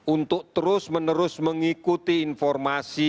untuk terus menerus mengikuti informasi